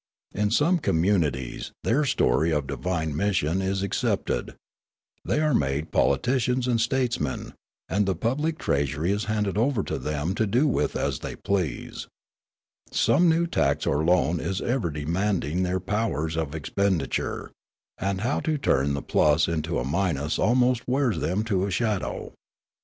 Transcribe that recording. In some communities their story of divine mission is ac cepted ; they are made politicians and statesmen, and the public treasury is handed over to them to do with as they please ; some new tax or loan is ever demand ing their powers of expenditure ; and how to turn the plus into a minus almost wears them to a shadow.